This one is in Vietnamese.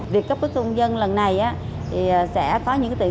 việc cấp thẻ căn cước công dân lần này sẽ có những tiết kiệm